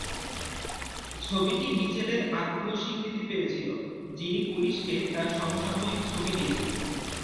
ছবিটি মিচেলের আত্মীয় স্বীকৃতি পেয়েছিল, যিনি পুলিশকে তার সমসাময়িক ছবি দিয়েছিলেন।